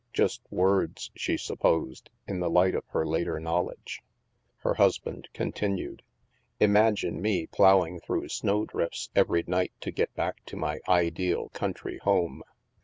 Just words, she supposed, in the light of her later knowl edge. Her husband continued :" Imagine me plowing through snowdrifts every night to get back to my ideal country home